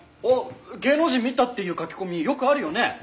あっ芸能人見たっていう書き込みよくあるよね。